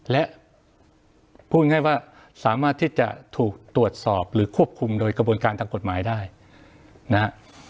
และพูดง่ายว่าสามารถที่จะถูกตรวจสอบหรือควบคุมโดยกระบวนการทางกฎหมายได้นะฮะ